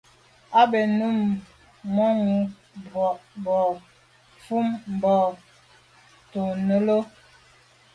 A be num manwù mars bo avril mban to’ nelo.